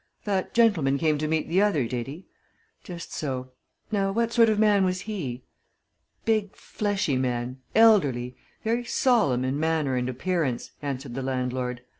"That gentleman came to meet the other, did he? Just so. Now what sort of man was he?" "Big, fleshy man elderly very solemn in manner and appearance," answered the landlord.